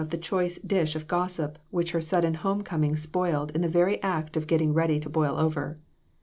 IQ/ the choice dish of gossip which her sudden home coming spoiled in the very act of getting ready to boil over.